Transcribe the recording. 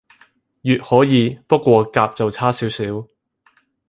乙可以，不過甲就差少少